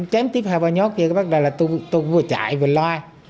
chém tiếp hai ba nhót kia bắt đầu là tôi vừa chạy vừa loa